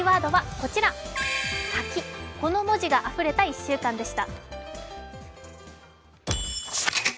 この文字があふれた１週間でした。